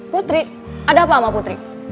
putri ada apa sama putri